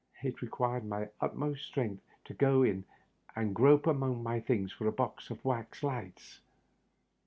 It required my utmost strength to go in and grope among my things for a box of wax lights.